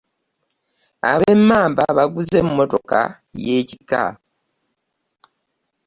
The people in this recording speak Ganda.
Ab'e mamba baguze emotoka y'ekika.